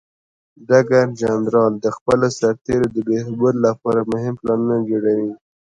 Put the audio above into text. ډګر جنرال د خپلو سرتیرو د بهبود لپاره مهم پلانونه جوړوي.